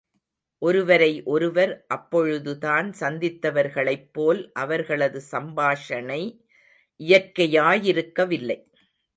ஒருவரை ஒருவர் அப்பொழுதுதான் சந்தித்தவர்களைப் போல் அவர்களது சம்பாஷணை இயற்கையாயிருக்கவில்லை.